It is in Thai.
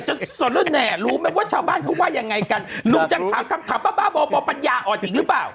หนุ่มจะถามคำถามบาบาบอบอบปัญญาอ่อนอีกรึเปล่า